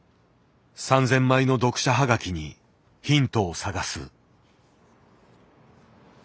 ３，０００枚の読者ハガキにヒントを探す。